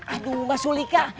aduh mas yolika